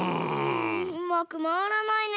うまくまわらないね。